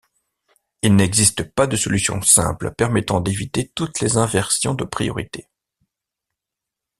Il n'existe pas de solution simple permettant d'éviter toutes les inversions de priorité.